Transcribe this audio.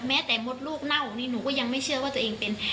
แม้แต่มดลูกเน่านี่หนูก็ยังไม่เชื่อว่าตัวเองเป็น